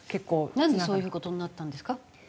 なんでそういう事になったんですか？